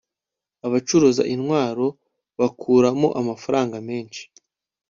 abacuruza intwaro bakuramo amafaranga menshi